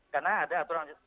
karena ada aturan administrasi